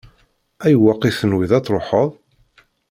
Ayweq i tenwiḍ ad tṛuḥeḍ?